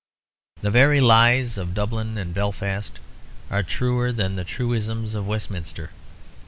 The very lies of Dublin and Belfast are truer than the truisms of Westminster.